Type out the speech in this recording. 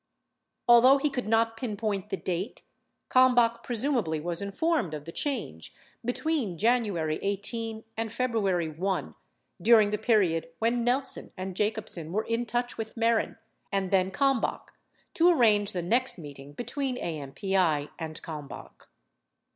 59 Although he could not pinpoint the date, Kalmbach presumably was informed of the change between January 18 and February 1, during the period when Nelson and Jacobsen were in touch with Mehren and then Kalmbach to arrange the next meeting between AMPI and Kalmbach.